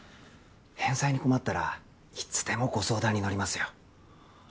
返済に困ったらいつでもご相談に乗りますよ